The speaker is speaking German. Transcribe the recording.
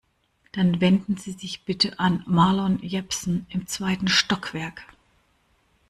Dann wenden Sie sich bitte an Marlon Jepsen im zweiten Stockwerk.